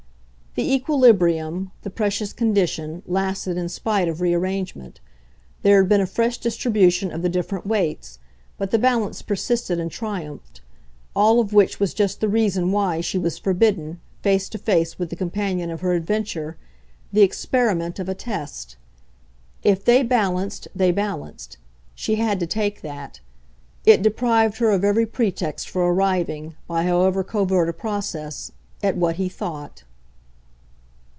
The equilibrium, the precious condition, lasted in spite of rearrangement; there had been a fresh distribution of the different weights, but the balance persisted and triumphed: all of which was just the reason why she was forbidden, face to face with the companion of her adventure, the experiment of a test. If they balanced they balanced she had to take that; it deprived her of every pretext for arriving, by however covert a process, at what he thought.